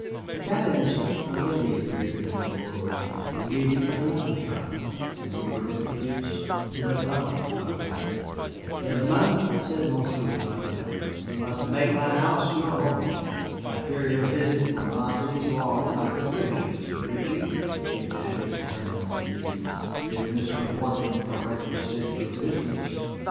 At that instant a lady appeared in the doorway, leading another child, and we were introduced to Madame Gratiot. "Gentlemen," said Monsieur Gratiot, "you must make my house your home. I fear your visit will not be as long as I could wish, Mr. Ritchie," he added, turning to me, "if Mr. Wharton correctly states your business.